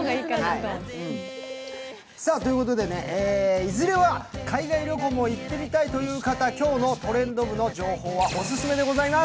ということで、いずれは海外旅行も行ってみたいという方、今日の「トレンド部」の情報はオススメでございます。